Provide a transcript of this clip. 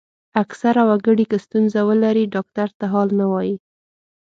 اکثره وګړي که ستونزه ولري ډاکټر ته حال نه وايي.